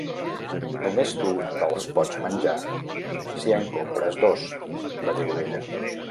"Només tu te'ls pots menjar si en compres dos", va dir l'Ovella.